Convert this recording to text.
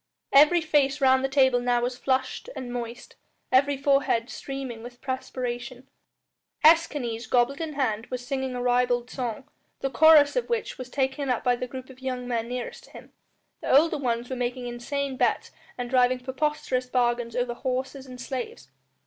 Every face round the table now was flushed and moist; every forehead streaming with perspiration. Escanes, goblet in hand, was singing a ribald song, the chorus of which was taken up by the group of young men nearest to him. The older ones were making insane bets and driving preposterous bargains over horses and slaves.